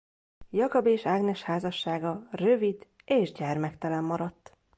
Jakab és Ágnes házassága rövid és gyermektelen maradt.